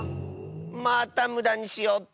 またむだにしおって！